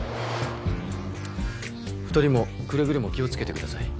２人もくれぐれも気をつけてください。